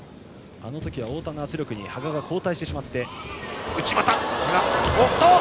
あの時は太田の圧力に羽賀が後退してしまって。